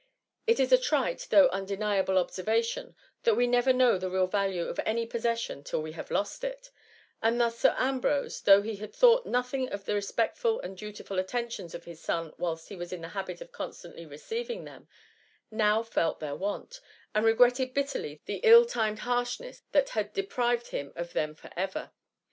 It is a trite though undeniable observation, that we never know the real value of any possession till we have lost it ; and thus Sir Ambrose, though he had thought nothing of the respectful and dutiful attentions of his son, whilst he was in the habit of constantly re« ceiving tliem, now felt their want, and regretted bitterly the ill timed harshness that had depriv ed him of them for ever.